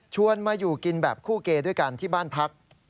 มาอยู่กินแบบคู่เกด้วยกันที่บ้านพัก